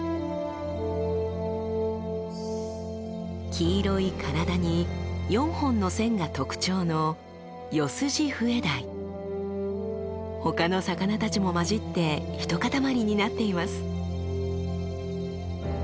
黄色い体に４本の線が特徴のほかの魚たちも交じって一塊になっています。